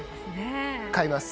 買います。